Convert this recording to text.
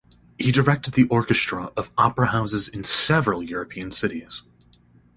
He directed the orchestra of opera houses in several European cities.